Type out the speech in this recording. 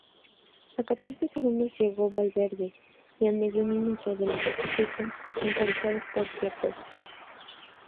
A catorce segundos llegó Valverde, y a medio minuto el sexteto encabezado por Kwiatkowski.